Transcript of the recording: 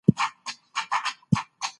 او دا مسولیت مو منلی دی.